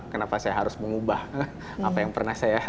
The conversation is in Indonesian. kenapa saya harus mengubah apa yang pernah saya